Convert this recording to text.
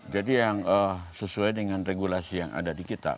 jadi yang sesuai dengan regulasi yang ada di kita